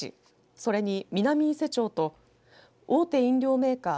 それに南伊勢町と大手飲料メーカー